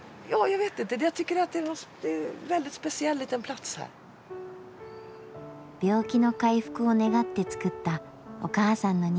病気の回復を願って作ったお母さんの人形。